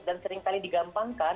dan seringkali digampangkan